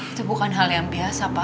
itu bukan hal yang biasa pak